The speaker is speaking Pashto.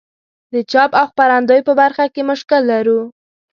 د چاپ او خپرندوی په برخه کې مشکل لرو.